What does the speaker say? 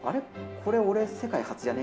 これ、俺、世界初じゃね？